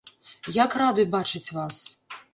Як рады бачыць вас!